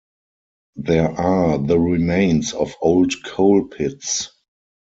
There are the remains of old coal pits.